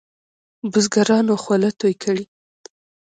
بزګرانو خوله توی کړې.